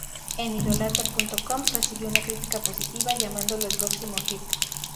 En Idolator.com recibió una crítica positiva llamándolo "El próximo hit".